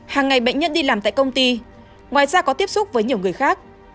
hàng ngày bệnh nhân đi làm tại công ty ngoài ra có tiếp xúc với nhiều người khác